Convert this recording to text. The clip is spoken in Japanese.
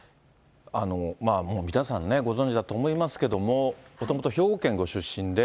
もう皆さんね、ご存じだと思いますけれども、もともと兵庫県ご出身で。